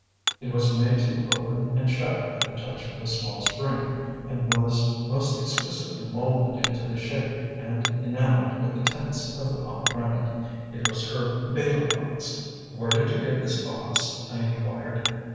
It was made to open and shut at the touch of a small spring, and was most exquisitely moulded into the shape and enamelled with the tints of the pomegranate. It was her betel box. "Where did you get this box?" I inquired.